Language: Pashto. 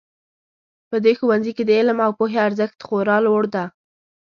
په دې ښوونځي کې د علم او پوهې ارزښت خورا لوړ ده